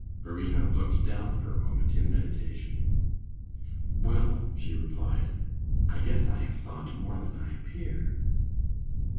Verena looked down for a moment in meditation. "Well," she replied, "I guess I have thought more than I appear."